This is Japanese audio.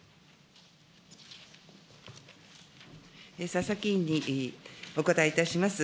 佐々木委員にお答えいたします。